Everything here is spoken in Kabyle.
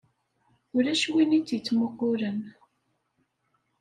Ulac win i tt-ittmuqqulen.